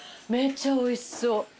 めちゃおいしそう。